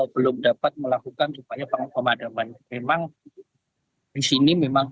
belum dapat melakukan upaya pemadaman memang di sini memang